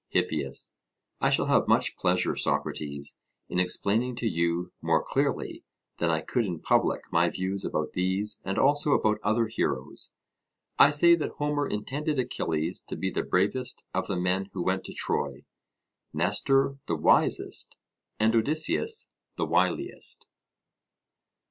HIPPIAS: I shall have much pleasure, Socrates, in explaining to you more clearly than I could in public my views about these and also about other heroes. I say that Homer intended Achilles to be the bravest of the men who went to Troy, Nestor the wisest, and Odysseus the wiliest.